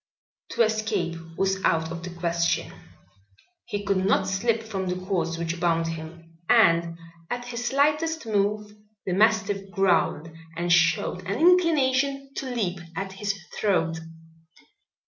To escape was out of the question. He could not slip from the cords which bound him, and at his slightest move the mastiff growled and showed an inclination to leap at his throat.